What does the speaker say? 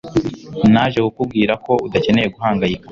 Naje kukubwira ko udakeneye guhangayika.